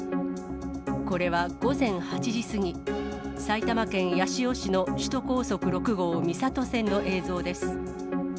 これは午前８時過ぎ、埼玉県八潮市の首都高速６号三郷線の映像です。